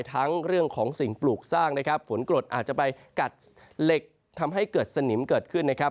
ทั้งเรื่องของสิ่งปลูกสร้างนะครับฝนกรดอาจจะไปกัดเหล็กทำให้เกิดสนิมเกิดขึ้นนะครับ